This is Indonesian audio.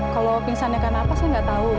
kalau pingsannya karena apa saya enggak tahu